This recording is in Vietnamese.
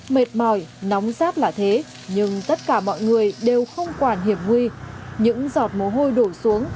mệt mỏi nóng rát là thế nhưng tất cả mọi người đều không quản hiểm nguy những giọt mồ hôi đổ xuống